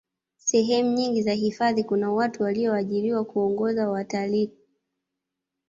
sehemu nyingi za hifadhi kuna watu waliyoajiriwa kuongoza watalkii